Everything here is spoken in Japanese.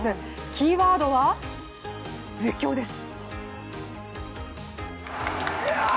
キーワードは「絶叫」です。